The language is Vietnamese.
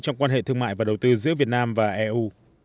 trong quan hệ thương mại và đầu tư giữa việt nam và eu